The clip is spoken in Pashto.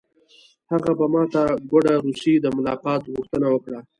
هغه په ماته ګوډه روسي د ملاقات غوښتنه وکړه